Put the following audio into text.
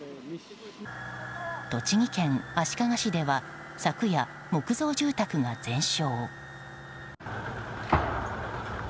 栃木県足利市では昨夜木造住宅が全焼。